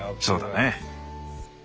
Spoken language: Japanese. そうだね。